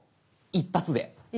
一発で。